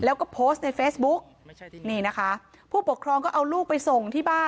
แล้วก็โพสต์ในเฟซบุ๊กนี่นะคะผู้ปกครองก็เอาลูกไปส่งที่บ้าน